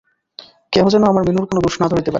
কেহ যেন আমার মিনুর কোনো দোষ না ধরিতে পারে।